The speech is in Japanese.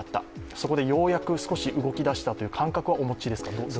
そこでようやく少し動き出したという感覚はお持ちですか？